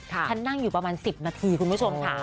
ฉันนั่งอยู่ประมาณ๑๐นาทีคุณผู้ชมค่ะ